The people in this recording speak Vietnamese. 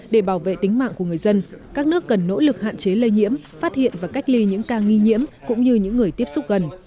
để bảo vệ tính mạng của người dân các nước cần nỗ lực hạn chế lây nhiễm phát hiện và cách ly những ca nghi nhiễm cũng như những người tiếp xúc gần